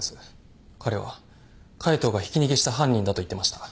彼は海藤がひき逃げした犯人だと言ってました。